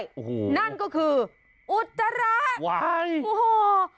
โอ้โหนั่นก็คืออุจจาระว้ายโอ้โห